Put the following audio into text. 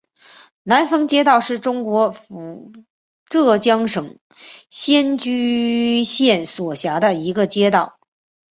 南峰街道是中国浙江省仙居县所辖的一个街道。